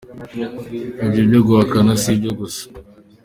Ibye byo guhakana si ibyo gusa.